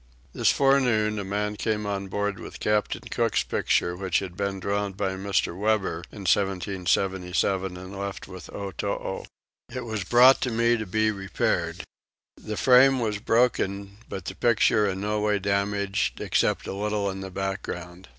This forenoon a man came on board with Captain Cook's picture which had been drawn by Mr. Webber in 1777 and left with Otoo. It was brought to me to be repaired. The frame was broken but the picture no way damaged except a little in the background.